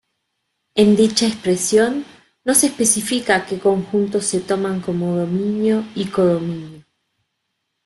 En dicha expresión, no se especifica que conjuntos se toman como dominio y codominio.